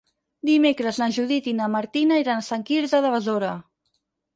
Dimecres na Judit i na Martina iran a Sant Quirze de Besora.